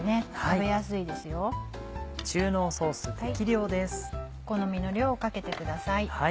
お好みの量かけてください。